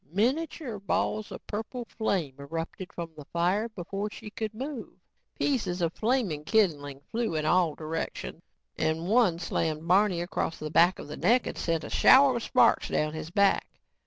Miniature balls of purple flame erupted from the fire before she could move. Pieces of flaming kindling flew in all directions and one slammed Barney across the back of the neck and sent a shower of sparks down his back.